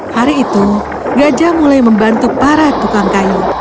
hari itu gajah mulai membantu para tukang kayu